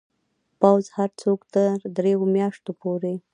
پوځ هر څوک تر دریو میاشتو پورې